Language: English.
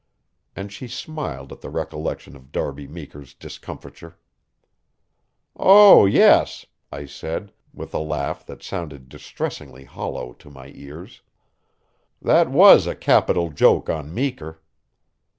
And she smiled at the recollection of Darby Meeker's discomfiture. "Oh, yes," I said, with a laugh that sounded distressingly hollow to my ears. "That was a capital joke on Meeker."